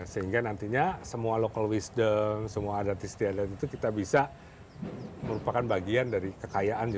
sehingga nantinya semua local wisdom semua adat istiadat itu kita bisa merupakan bagian dari kekayaan